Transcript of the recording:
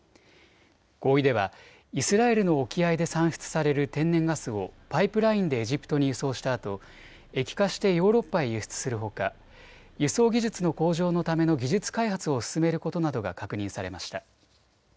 合意ではイスラエルの沖合で産出される天然ガスをパイプラインでエジプトに輸出したあと液化してヨーロッパへ輸出するほか、輸送技術の向上のための技術開発を進めることなどが確認されました。